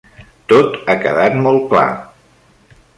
Tot ha quedat molt clar.